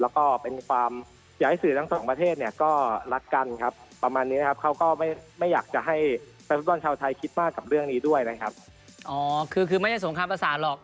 แล้วก็เป็นความอยากให้สื่อทั้งสองประเทศเนี่ยก็รักกันครับประมาณนี้นะครับเขาก็ไม่ไม่อยากจะให้แฟนฟุตบอลชาวไทยคิดมากกับเรื่องนี้ด้วยนะครับอ๋อคือคือไม่ได้สงครามประสาทหรอก